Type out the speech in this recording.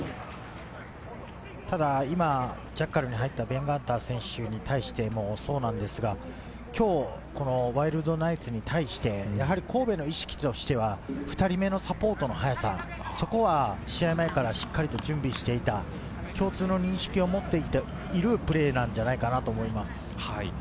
ただ、今、ジャッカルに入ったベン・ガンター選手に対してもそうですが、今日ワイルドナイツに対して、神戸の意識としては２人目のサポートの速さ、そこは試合前からしっかりと準備していた、共通の認識を持っているプレーなんじゃないかなと思います。